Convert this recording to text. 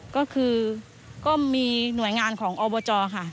ก็คือก็มีหน่วยงานของอบจค่ะ